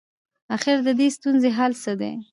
اخر ددې ستونزي حل څه دی؟